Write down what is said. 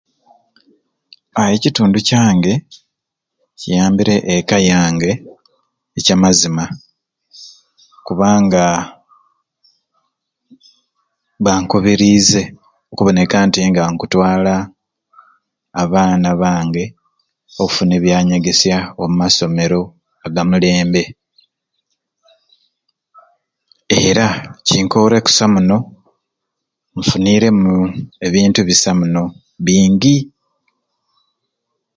Aah ekitundu kyange kiyambire ekka yange ekyamazima, kubanga bankubirize okuboneka nti nga nkutwala abaana bange okufuna ebyanyegesya omumasomero agamulembe era kinkore kusai munoo nfunireemu ebintu bisai munoo bingi.